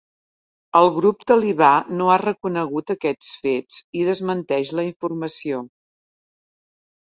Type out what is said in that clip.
El grup Talibà no ha reconegut aquests fets i desmenteix la informació.